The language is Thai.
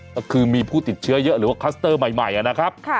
ก็คือมีผู้ติดเชื้อเยอะหรือว่าคัสเตอร์ใหม่นะครับ